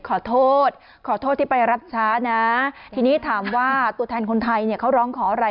ขอโทษขอโทษที่ไปรับช้านะทีนี้ถามว่าตัวแทนคนไทยเนี่ยเขาร้องขออะไร